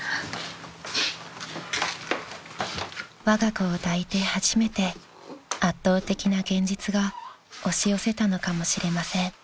［わが子を抱いて初めて圧倒的な現実が押し寄せたのかもしれません］